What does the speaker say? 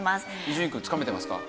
伊集院くんつかめてますか？